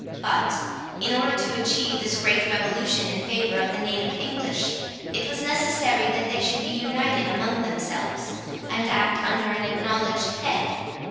But, in order to achieve this great revolution in favour of the native English, it was necessary that they should be united among themselves, and act under an acknowledged head.